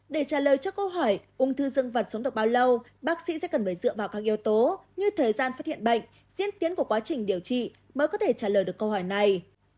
để trả lời cho câu hỏi ung thư dân vật sống được bao lâu bác sĩ sẽ cần phải dựa vào các yếu tố như thời gian phát hiện bệnh diễn tiến của quá trình điều trị mới có thể trả lời được câu hỏi này